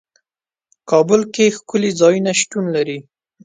کابل کې ښکلي ځايونه شتون لري.